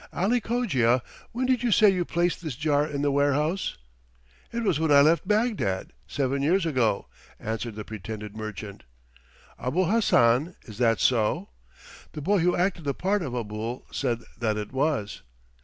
"Ali Cogia, when did you say you placed this jar in the warehouse?" "It was when I left Bagdad, seven years ago," answered the pretended merchant. "Abul Hassan, is that so?" The boy who acted the part of Abul said that it was.